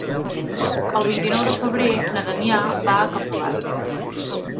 El vint-i-nou de febrer na Damià va a Capolat.